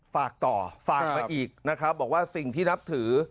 ฝากต่อฝากมาอีกนะครับบอกว่าสิ่งที่นับถือ